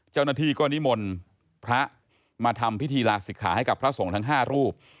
เจ้าหน้าที่ก็นิมนต์พระมาทำพิธีลาศิกขาให้กับพระสงฆ์ทั้ง๕รูป